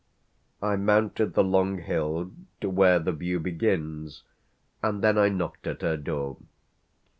I mounted the long hill to where the view begins, and then I knocked at her door.